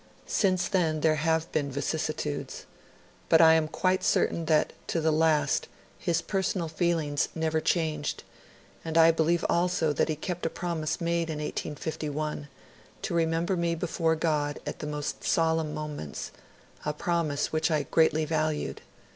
Since then there have been vicissitudes. But I am quite certain that to the last his personal feelings never changed; and I believe also that he kept a promise made in 1851, to remember me before God at the most solemn moments; a promise which I greatly valued.